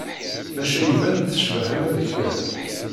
Maca iban tecbeḥ ama d kra.